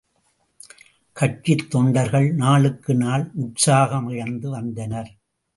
கட்சித் தொண்டர்கள் நாளுக்கு நாள் உற்சாகமிழந்து வந்தனர்.